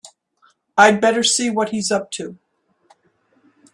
I'd better see what he's up to.